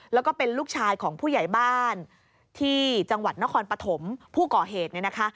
แล้วก็เป็นลูกชายของผู้ใหญ่บ้านที่จังหวัดนครปฐมผู้ก่อเหตุเนี่ยนะคะ